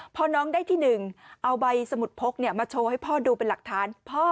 พอน้องได้ที่๑เอาใบสมุดพกมาโชว์ให้พ่อดูเป็นหลักฐาน